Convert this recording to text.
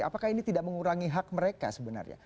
apakah ini tidak mengurangi hak mereka sebenarnya